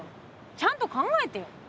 ちゃんと考えてよ。